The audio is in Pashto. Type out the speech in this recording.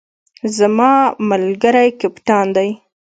زما ملګری کپتان دی